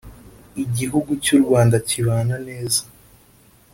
igihugu cy ‘u rwanda kibana neza.